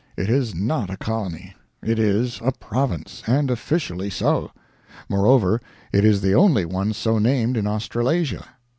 It is not a Colony, it is a Province; and officially so. Moreover, it is the only one so named in Australasia.